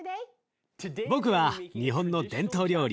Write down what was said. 僕は日本の伝統料理